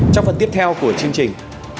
trong phần tiếp theo của chương trình